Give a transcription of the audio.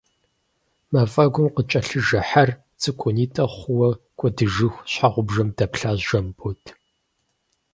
Мафӏэгум къыкӏэлъыжэ хьэр, цӏыкӏунитӏэ хъууэ кӏуэдыжыху, щхьэгъубжэм дэплъащ Жэмбот.